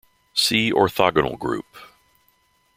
See orthogonal group.